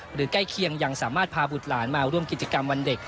ใกล้เคียงยังสามารถพาบุตรหลานมาร่วมกิจกรรมวันเด็ก